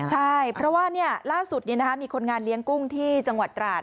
ใช่เพราะว่าล่าสุดมีคนงานเลี้ยงกุ้งที่จังหวัดตราด